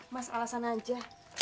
mas alasan aja